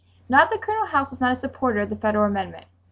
Not that Colonel House was not a supporter of the federal amendment.